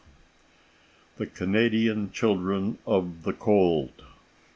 ] *THE CANADIAN CHILDREN OF THE COLD.